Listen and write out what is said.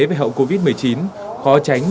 về hậu covid một mươi chín khó tránh